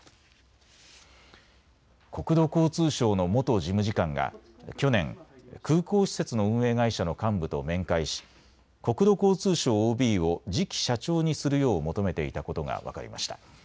国土交通省の元事務次官が去年、空港施設の運営会社の幹部と面会し国土交通省ＯＢを次期社長にするよう求めていたことが分かりました。